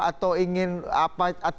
atau ingin apa